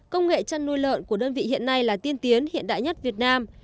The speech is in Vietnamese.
công nghệ chăn nuôi lợn của đơn vị hiện nay là tiên tiến hiện đại nhất việt nam